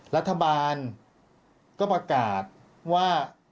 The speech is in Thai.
รัฐบาลก็ประกาศว่า